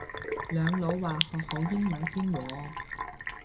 兩老話學好英文先喎